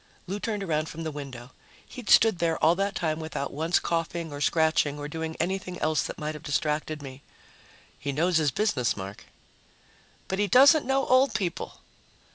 Lou turned around from the window. He'd stood there all that time without once coughing or scratching or doing anything else that might have distracted me. "He knows his business, Mark." "But he doesn't know old people."